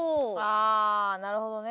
あっなるほどね。